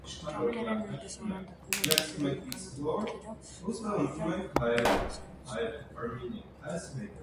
Ճանկերը նույնպես օժանդակում են հետևի մկանոտ որտքերով ծառերը մագլցելուց։